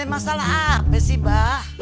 ada masalah apa sih mba